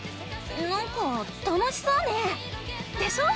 なんか楽しそうねぇ。でしょ！